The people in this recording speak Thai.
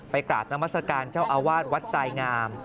กราบนามัศกาลเจ้าอาวาสวัดทรายงาม